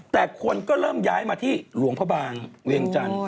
แต่คนก็เริ่มย้ายมาที่หลวงพระบางเวียงจันทร์